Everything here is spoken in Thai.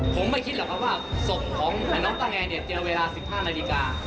ผมไม่คิดหรอกครับว่าศพของน้องต้าแอร์เนี่ยเจอเวลา๑๕นาฬิกา